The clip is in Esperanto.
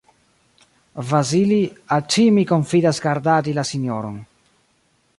Vasili, al ci mi konfidas gardadi la sinjoron.